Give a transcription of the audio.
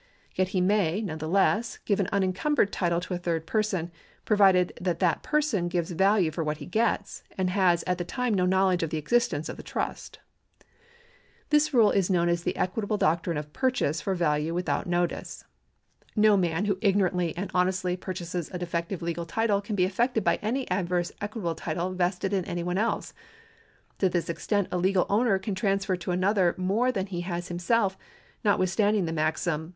Yet he may, none the less, give an unencumbered title to a third person, provided that that person gives value for what he gets, and has at the time no knowledge of the existence of the trust. This ride is known as the equitable doctrine of purchase for value without notice. No man who ignorantly and honestly purchases a defective legal title can be affected by any adverse equitable title vested in any one else. To this extent a legal owner can transfer to another more than he has himself, notwithstanding the maxim.